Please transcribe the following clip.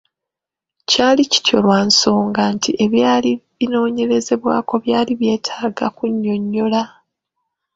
Kyali kityo lwa nsonga nti ebyali binoonyerezebwako byali byetaaga kunnyonnyola.